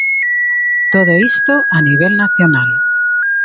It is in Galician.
Todo isto a nivel nacional.